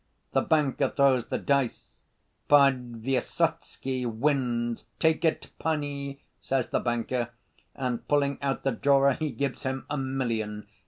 The banker throws the dice. Podvysotsky wins. 'Take it, panie,' says the banker, and pulling out the drawer he gives him a million.